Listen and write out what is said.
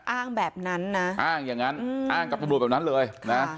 อ้างแบบนั้นนะอ้างอย่างนั้นอ้างกับตำรวจแบบนั้นเลยนะ